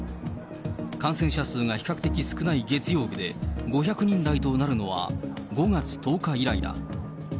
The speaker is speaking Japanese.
感染者数が比較的少ない月曜日で、５００人台となるのは５月１０日以来だ。